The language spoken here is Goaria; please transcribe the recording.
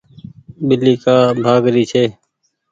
ٻلي ڪآ ڀآگ ري ڇي۔